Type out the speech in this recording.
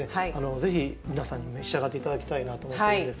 ぜひ皆さんに召し上がっていただきたいなと思ってるんです。